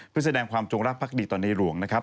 เพื่อแสดงความจงรักภักดีต่อในหลวงนะครับ